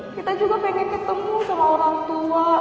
kita juga pengen ketemu sama orang tua